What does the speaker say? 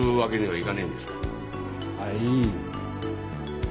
はい。